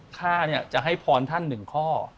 ข้าจะให้พรท่านหนึ่งข้อ